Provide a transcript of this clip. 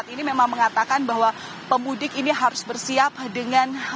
ini memang mengatakan bahwa pemudik ini harus bersiap dengan